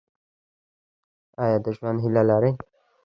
ایا د ژوند هیله لرئ؟